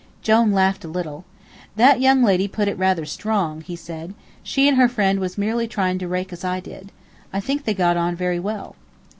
Jone laughed a little. "That young lady put it rather strong," he said. "She and her friend was merely trying to rake as I did. I think they got on very well."